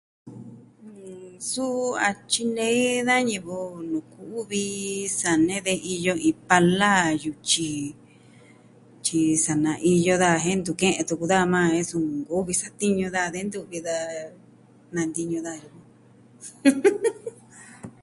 Suu a tyinei da ñivɨ nuu ku'u vi sa nee de iyo iin pala, yutyi, tyi sa naa iyo daja jen ntu kee tuku daja majan jen su, nkuvi satiñu daja de ntuvi daja nantiñu daja yukuan.